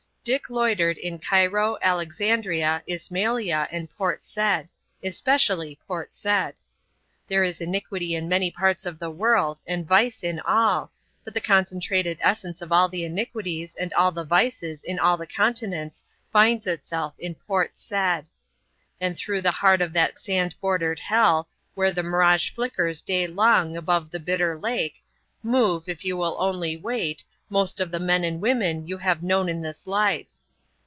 Dick loitered in Cairo, Alexandria, Ismailia, and Port Said,—especially Port Said. There is iniquity in many parts of the world, and vice in all, but the concentrated essence of all the iniquities and all the vices in all the continents finds itself at Port Said. And through the heart of that sand bordered hell, where the mirage flickers day long above the Bitter Lake, move, if you will only wait, most of the men and women you have known in this life.